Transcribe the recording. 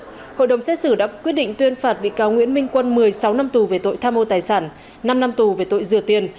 theo hội đồng xét xử đã quyết định tuyên phạt bị cáo nguyễn minh quân một mươi sáu năm tù về tội tham mô tài sản năm năm tù về tội rửa tiền